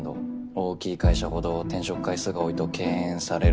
大きい会社ほど転職回数が多いと敬遠される。